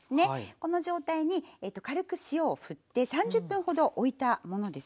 この状態に軽く塩をふって３０分ほどおいたものです。